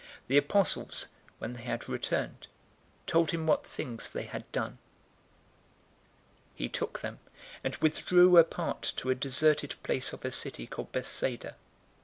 009:010 The apostles, when they had returned, told him what things they had done. He took them, and withdrew apart to a deserted place of a city called Bethsaida.